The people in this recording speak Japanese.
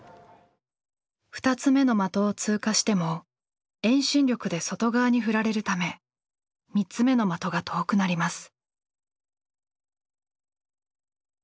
２つ目の的を通過しても遠心力で外側に振られるため３つ目の的が遠くなります。